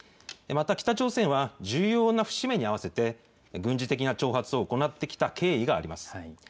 また、北朝鮮は重要な節目に合わせて、軍事的な挑発を行ってきた経緯があります。